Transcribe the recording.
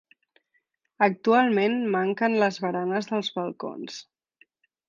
Actualment manquen les baranes dels balcons.